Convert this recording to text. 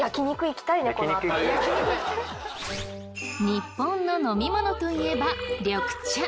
日本の飲み物といえば緑茶。